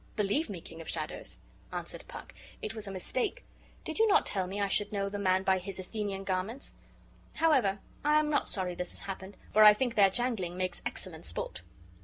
"Believe me, king of shadows," answered Puck, "it was a mistake. Did not you tell me I should know the man by his Athenian garments? However, I am not sorry this has happened, for I think their jangling makes excellent sport."